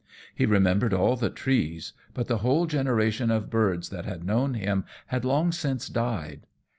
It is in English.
He remembered all the trees, but the whole generation of birds that had known him had long since died.